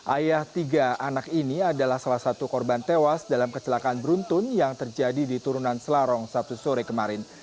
ayah tiga anak ini adalah salah satu korban tewas dalam kecelakaan beruntun yang terjadi di turunan selarong sabtu sore kemarin